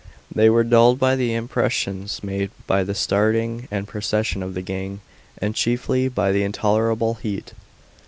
They were dulled by the impressions made by the starting and procession of the gang, and chiefly by the intolerable heat.